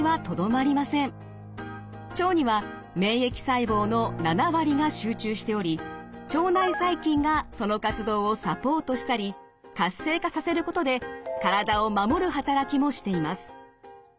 腸には免疫細胞の７割が集中しており腸内細菌がその活動をサポートしたり活性化させることで体を守る働きもしています。